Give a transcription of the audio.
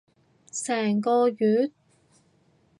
成個月？